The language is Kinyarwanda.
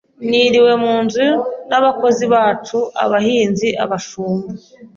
Niriwe mu nzu n’abakozi bacu( abahinzi, abashumba)